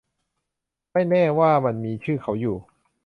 ไม่แน่ว่ามันมีชื่อเขาอยู่